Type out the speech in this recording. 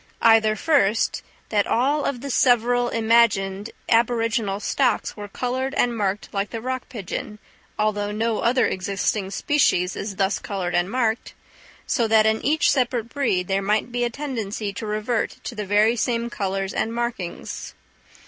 Either, first, that all the several imagined aboriginal stocks were coloured and marked like the rock pigeon, although no other existing species is thus coloured and marked, so that in each separate breed there might be a tendency to revert to the very same colours and markings.